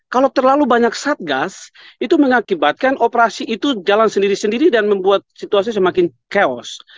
kalau terlalu banyak satgas itu mengakibatkan operasi itu jalan sendiri sendiri dan membuat situasi semakin chaos